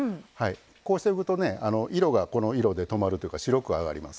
こうしておくとね色がこの色で止まるというか白くあがります。